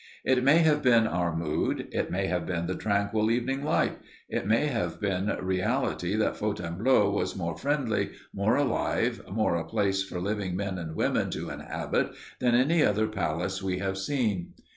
It may have been our mood, it may have been the tranquil evening light, it may have been reality that Fontainebleau was more friendly, more alive, more a place for living men and women to inhabit than any other palace we have seen.